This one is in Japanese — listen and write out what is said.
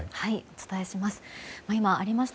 お伝えします。